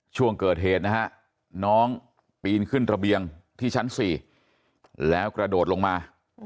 ช่วงเกิดเหตุนะฮะน้องปีนขึ้นระเบียงที่ชั้น๔แล้วกระโดดลงมา